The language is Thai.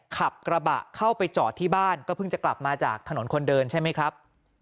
ขับกระบะเข้าไปจอดที่บ้านก็เพิ่งจะกลับมาจากถนนคนเดินใช่ไหมครับ